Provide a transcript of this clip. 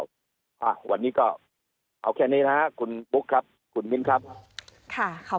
อ่าวันนี้ก็เอาแค่นี้นะครับคุณบุ๊คครับคุณมิ้นครับค่ะ